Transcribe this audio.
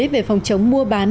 về phòng chống mua bán